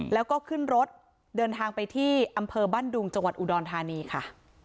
แล้วก็ขึ้นรถเดินทางไปที่อำเภอบ้านดุงจังหวัดอุดรธานีค่ะ